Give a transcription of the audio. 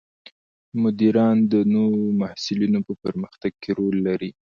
مدیران د نوو محصولاتو په پرمختګ کې رول لري.